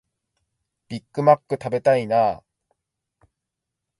ビッグマック食べたいなあ